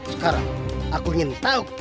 sekarang aku ingin tahu